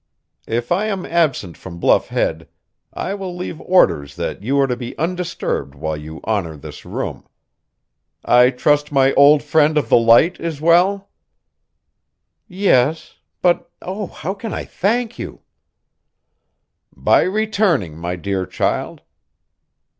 If I am absent from Bluff Head, I will leave orders that you are to be undisturbed while you honor this room! I trust my old friend of the Light is well?" "Yes. But, oh! how can I thank you?" "By returning, my dear child!